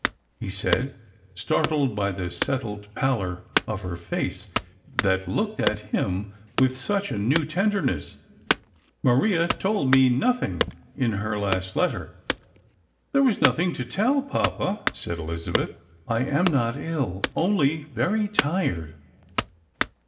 " he said, startled by the settled pallor of the face, that looked at him with such a new tenderness ;" Maria told me nothing in her last letter," "There was nothing to tell, papa," said Elizabeth; "I am not ill, only very tired."